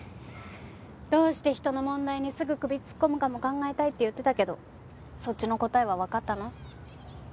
どうして人の問題にすぐ首突っ込むかも考えたいって言ってたけどそっちの答えはわかったの？